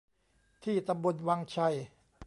ที่ตำบลวังชัย